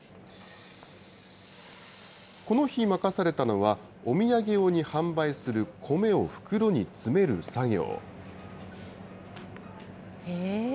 この日、任されたのは、お土産用に販売する米を袋に詰める作業。